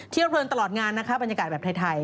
เที่ยวเพลินตลอดงานนะคะบรรยากาศแบบไทย